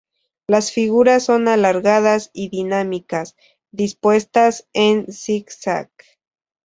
Las figuras son alargadas y dinámicas, dispuestas en zigzag.